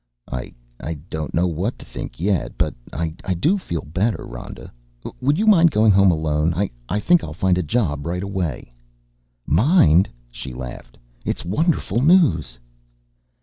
"I don't know what to think yet but I do feel better. Rhoda, would you mind going home alone? I think I'll find a job right away." "Mind?" she laughed. "It's wonderful news!"